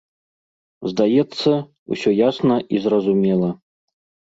Здаецца, усё ясна і зразумела.